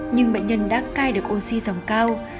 nhưng bệnh nhân đã cai được oxy dòng cao